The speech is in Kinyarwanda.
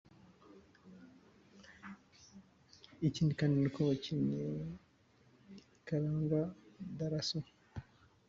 Ikindi kandi ni uko abakinnyi Karangwa Dharasso